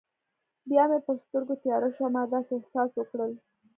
بیا مې پر سترګو تیاره شوه، ما داسې احساس وکړل.